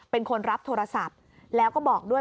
เป็นคนรับโทรศัพท์แล้วก็บอกด้วย